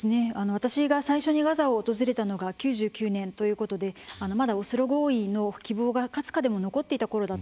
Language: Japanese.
私が最初にガザを訪れたのが９９年ということでまだオスロ合意の希望がかすかでも残っていたころだったんですね。